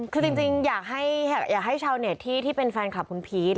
คือจริงอยากให้ชาวเน็ตที่เป็นแฟนคลับคุณพีช